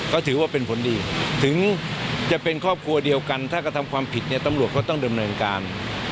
ก็ถือว่าเป็นผลดีถึงจะเป็นครอบครัวเดียวกันถ้ากระทำความผิดเนี่ยตำรวจก็ต้องดำเนินการ